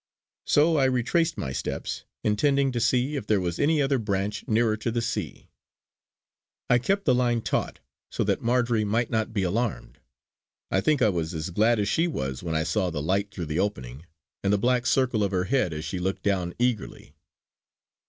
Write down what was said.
So I retraced my steps, intending to see if there was any other branch nearer to the sea. I kept the line taut so that Marjory might not be alarmed. I think I was as glad as she was when I saw the light through the opening, and the black circle of her head as she looked down eagerly.